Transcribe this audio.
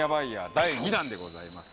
第２弾でございます。